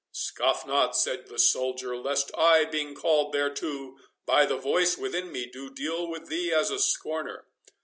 "Scoff not," said the soldier, "lest I, being called thereto by the voice within me, do deal with thee as a scorner.